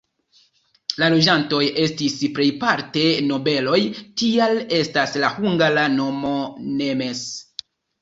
La loĝantoj estis plejparte nobeloj, tial estas la hungara nomo "nemes".